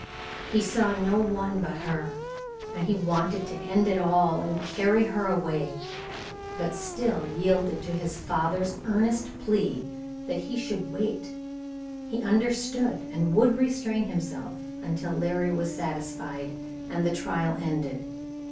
He saw no one but her, and he wanted to end it all and carry her away, but still yielded to his father's earnest plea that he should wait. He understood, and would restrain himself until Larry was satisfied, and the trial ended.